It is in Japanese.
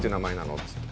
っつって。